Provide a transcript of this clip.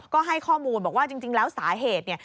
ก็ให้ข้อมูลบอกว่าจริงแล้วสาเหตุเนี่ย